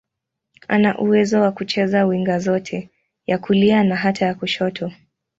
Ana uwezo wa kucheza winga zote, ya kulia na hata ya kushoto.